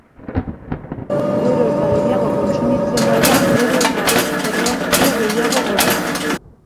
Gero eta gehiago kontsumitzen bada, gero eta erreakzio gehiago dauzka.